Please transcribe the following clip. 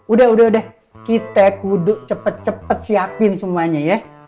udah udah udah kita kudu cepet cepet siapin semuanya ya